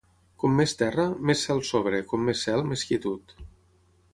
Com més terra, més cel sobre; com més cel, més quietud.